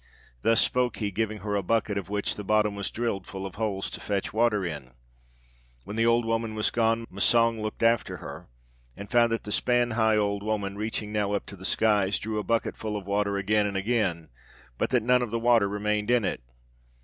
Thus spoke he, giving her a bucket, of which the bottom was drilled full of holes, to fetch water in. When the old woman was gone, Massang looked after her, and found that the span high old woman, reaching now up to the skies, drew the bucket full of water again and again, but that none of the water remained in it.